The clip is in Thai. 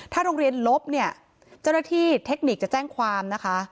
โรงเรียนลบเนี่ยเจ้าหน้าที่เทคนิคจะแจ้งความนะคะ